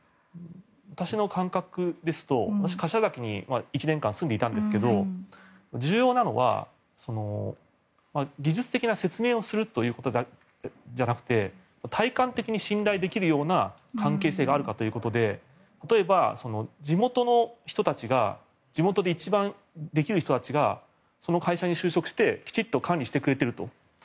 私の感覚ですと私は柏崎に１年間住んでいたんですが重要なのは、技術的な説明をすることじゃなくて体感的に信頼できるような関係性があるかということで例えば、地元の人たちが地元で一番できる人たちがその会社の就職して、原発をきちんと管理してくれていると。